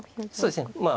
そうですね。